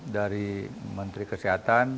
dari menteri kesehatan